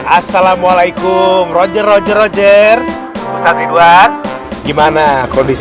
assalamualaikum roger roger roger ustadz ridwan gimana kondisi